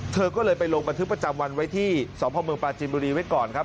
เธอก็เลยไปลงบันทึกประจำวันไว้ที่สพเมืองปราจินบุรีไว้ก่อนครับ